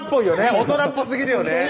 大人っぽすぎるよね